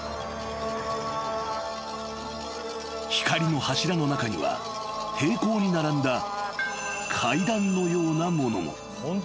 ［光の柱の中には平行に並んだ階段のようなものも］